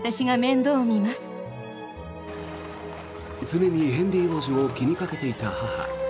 常にヘンリー王子を気にかけていた母。